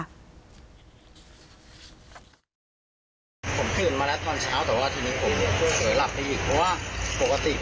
ผมขึ้นมาแล้วตอนเช้าแต่ว่าทีนี้ผมเผื่อหลับไปอีก